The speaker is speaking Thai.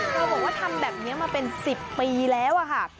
บอกว่าทำแบบนี้มาเป็น๑๐ปีแล้วอะค่ะ